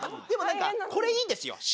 でも何かこれいいんですよ。